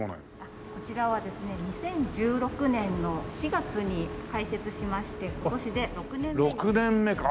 こちらはですね２０１６年の４月に開設しまして今年で６年目に。